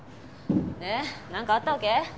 でなんかあったわけ？